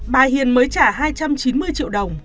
bà hiền mới trả hai trăm chín mươi triệu đồng